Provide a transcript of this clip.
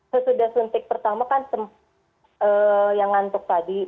sesudah suntik pertama kan yang ngantuk tadi